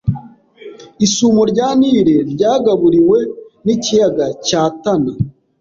Isumo rya Nile ryagaburiwe n'ikiyaga cya Tana